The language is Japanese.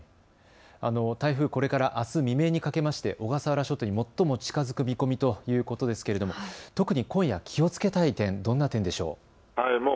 台風、これからあす未明にかけまして小笠原諸島に最も近づく見込みということですけれども特に今夜、気をつけたい点どんな点でしょう。